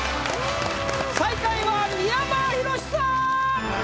最下位は三山ひろしさん。